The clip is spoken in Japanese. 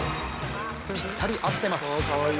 ぴったり合ってます。